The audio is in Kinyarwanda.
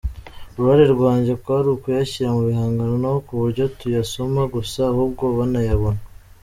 Uruhare rwanjye kwari ukuyashyira mu bihangano ku buryo batayasoma gusa ahubwo banayabona.